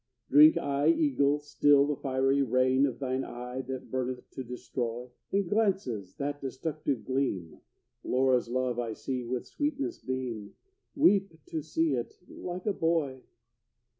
Drink I, eagle, still the fiery rain Of thine eye, that burneth to destroy? In the glances that destructive gleam, Laura's love I see with sweetness beam, Weep to see it like a boy!